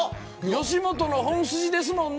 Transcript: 吉本の本筋ですもんね